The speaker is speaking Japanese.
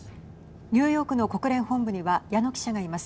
ニューヨークの国連本部には矢野記者がいます。